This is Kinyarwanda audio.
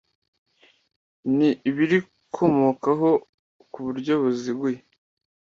n ibirikomokaho ku buryo buziguye